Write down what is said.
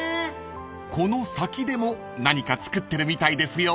［この先でも何か作ってるみたいですよ］